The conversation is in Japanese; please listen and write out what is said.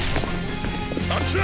あっちだ！